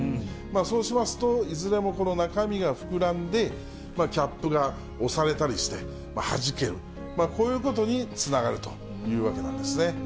そうしますと、いずれもこの中身が膨らんで、キャップが押されたりしてはじける、こういうことにつながるというわけなんですね。